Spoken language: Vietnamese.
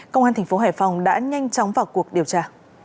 công an tp hải phòng đã nhanh chóng vào cuộc điều tra